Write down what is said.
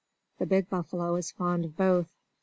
The big buffalo is fond of both.